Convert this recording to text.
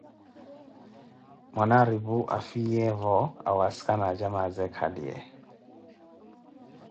Mwanaripu afiiyevo awasikana acamaaze eekhaliye.